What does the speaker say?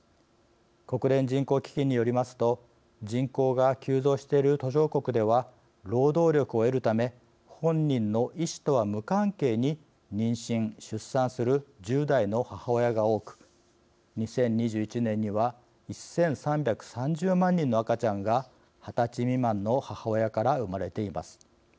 国連人口基金によりますと人口が急増している途上国では労働力を得るため本人の意思とは無関係に妊娠、出産する１０代の母親が多く２０２１年には１３３０万人の赤ちゃんが２０歳未満の母親から産まれています。